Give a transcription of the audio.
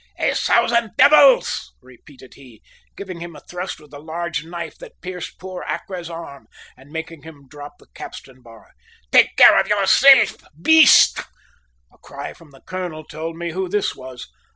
"A thousand devils!" repeated he, giving him a thrust with a large knife that pierced poor Accra's arm, and making him drop the capstan bar. "Take care of yourself beast!" A cry from the colonel told me who this was.